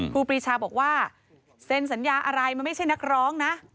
ครูปีชาบอกว่าเซ็นสัญญาอะไรมันไม่ใช่นักร้องนะ